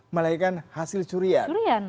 melakukan hasil curian